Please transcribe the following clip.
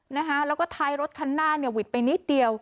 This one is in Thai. แล้วก็ท้ายรถคันหน้าหวิดไปนิดเดียว